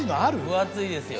分厚いですよ